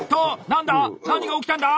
何が起きたんだ？